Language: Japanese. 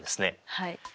はい。